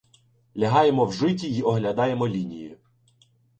Лягаємо в житі й оглядаємо лінію.